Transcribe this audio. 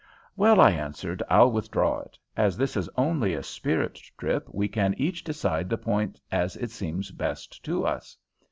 "Well," I answered, "I'll withdraw it. As this is only a spirit trip we can each decide the point as it seems best to us."